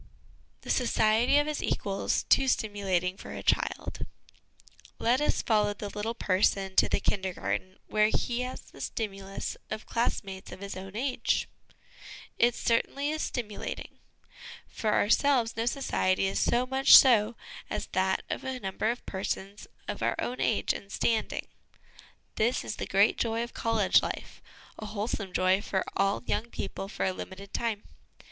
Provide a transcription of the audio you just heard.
The Society of his Equals too stimulating for a Child. Let us follow the little person to the Kindergarten, where he has the stimulus of class mates of his own age. It certainly is stimulating. For ourselves, no society is so much so as that of a number of persons of our own age and standing ; this is the great joy of college life ; a wholesome joy for all young people for a limited time.